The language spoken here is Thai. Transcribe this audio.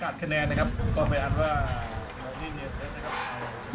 การประกาศคะแนนนะครับ